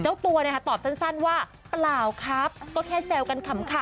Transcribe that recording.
เจ้าตัวตอบสั้นว่าเปล่าครับก็แค่แซวกันขำ